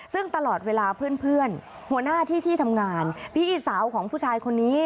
ซึ่งตลอดเวลาเพื่อนหัวหน้าที่ที่ทำงานพี่อีสาวของผู้ชายคนนี้